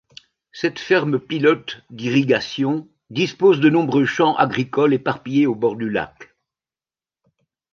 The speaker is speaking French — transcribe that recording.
Cette ferme pilote d'irrigation dispose de nombreux champs agricoles éparpillés au bord du lac.